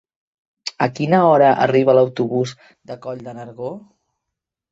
A quina hora arriba l'autobús de Coll de Nargó?